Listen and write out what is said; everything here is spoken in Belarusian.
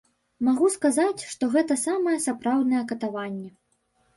Магу сказаць, што гэта самае сапраўднае катаванне.